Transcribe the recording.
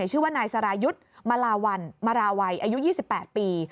ชื่อว่านายสรายุทธ์มาลาวัลมาราวัยอายุ๒๘ปี